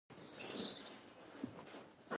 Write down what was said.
او ورڅخه زده کوو.